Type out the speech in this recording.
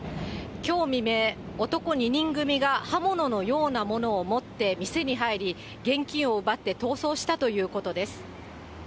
きょう未明、男２人組が刃物のようなものを持って店に入り、現金を奪って逃走したということです。